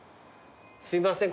すいません